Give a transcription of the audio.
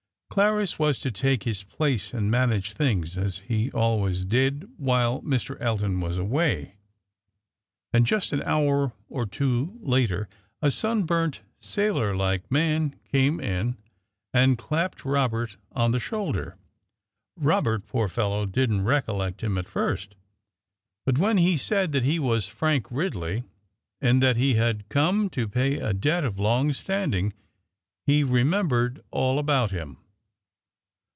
Clarris was to take his place and manage things, as he always did while Mr. Elton was away. And just an hour or two later a sunburnt, sailor like man came in, and clapped Robert on the shoulder. Robert, poor fellow, didn't recollect him at first; but when he said that he was Frank Ridley, and that he had come to pay a debt of long standing, he remembered all about him."